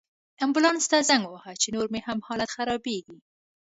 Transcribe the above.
امبولانس ته زنګ ووهه، چې نور مې هم حالت خرابیږي